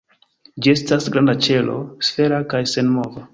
Ĝi estas granda ĉelo, sfera kaj senmova.